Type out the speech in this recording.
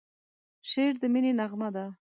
شعر د مینې نغمه ده.